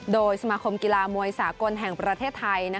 โดยสมาคมกีฬามวยสากลแห่งประเทศไทย